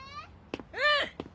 うん！